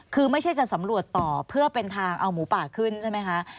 คือไม่ใช่จะสำรวจต่อเพื่อเป็นทางเอาหมูป่าขึ้นใช่ไหมคะ